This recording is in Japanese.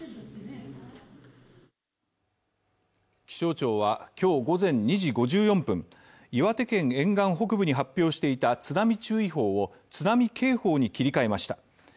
気象庁は、今日午前２時５４分岩手県沿岸北部に発表していた津波注意報を津波警報に切り替えました。